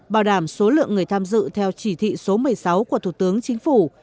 bảo đảm số lượng người tham dự theo chỉ thị số một mươi sáu của thủ tướng chính phủ